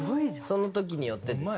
その時によってです。